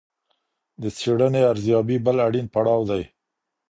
د څېړني ارزیابي بل اړین پړاو دی.